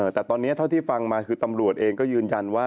แต่ตอนนี้เท่าที่ฟังมาคือตำรวจเองก็ยืนยันว่า